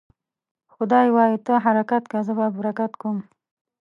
خداى وايي: ته حرکت که ، زه به برکت کم.